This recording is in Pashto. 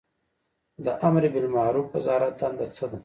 د امربالمعروف وزارت دنده څه ده؟